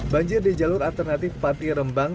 banjir di jalur alternatif pati rembang